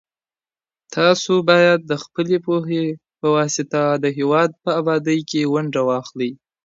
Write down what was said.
تاسو بايد د خپلي پوهي په واسطه د هېواد په ابادۍ کي ونډه واخلئ.